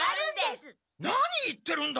何言ってるんだ！？